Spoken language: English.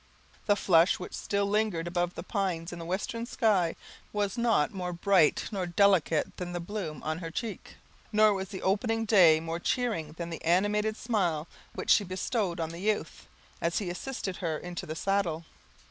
The flush which still lingered above the pines in the western sky was not more bright nor delicate than the bloom on her cheek; nor was the opening day more cheering than the animated smile which she bestowed on the youth, as he assisted her into the saddle.